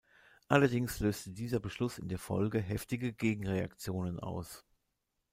Allerdings löste dieser Beschluss in der Folge heftige Gegenreaktionen aus.